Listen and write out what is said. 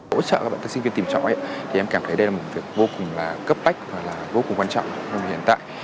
hỗ trợ các bạn tất sinh viên tìm trọ thì em cảm thấy đây là một việc vô cùng là cấp tách và là vô cùng quan trọng hơn hiện tại